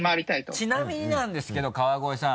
ちなみになんですけど川越さん。